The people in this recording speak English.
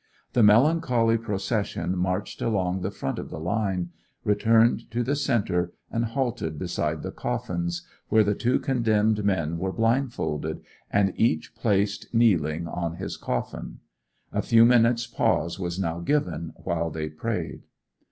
The melancholy procession marched along the front of the line, returned to the centre, and halted beside the coffins, where the two condemned men were blindfolded, and each placed kneeling on his coffin; a few minutes pause was now given, while they prayed.